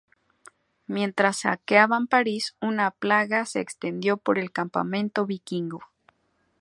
Mientras saqueaban París, una plaga se extendió por el campamento vikingo.